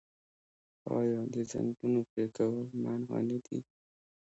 آیا د ځنګلونو پرې کول منع نه دي؟